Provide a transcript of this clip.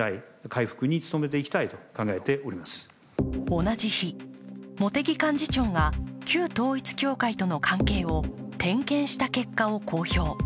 同じ日、茂木幹事長が旧統一教会との関係を点検した結果を公表。